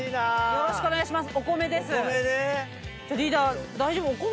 よろしくお願いします。